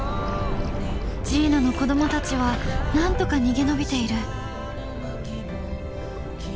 ジーナの子どもたちはなんとか逃げ延びている。